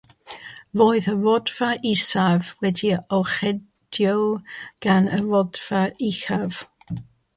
Roedd y rhodfa isaf wedi'i orchuddio gan y rhodfa uchaf.